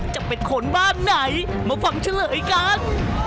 จะเป็นคนบ้านไหนมาฟังเฉลยกัน